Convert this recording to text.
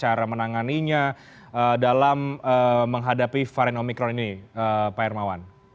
cara menanganinya dalam menghadapi varen omicron ini pak irmawan